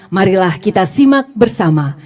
marilah kita simak bersama